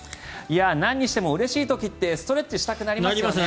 なんにしてもうれしい時ってストレッチしたくなりますよね。